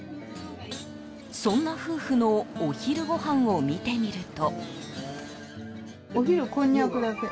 そんな夫婦のお昼ごはんを見てみると。